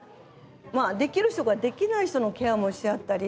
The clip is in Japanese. できる人ができない人のケアもし合ったり。